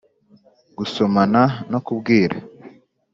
gusomana no kubwira